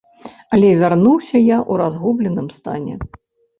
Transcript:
Але вярнуўся я ў разгубленым стане.